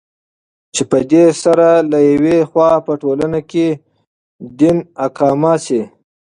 چې پدي سره له يوې خوا په ټولنه كې دين اقامه سي